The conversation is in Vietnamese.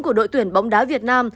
của đội tuyển bóng đá việt nam